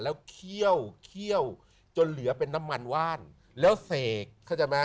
แล้วเคี่ยวเคี่ยวจนเหลือเป็นน้ำมันว่านแล้วเสกเข้าใจไหม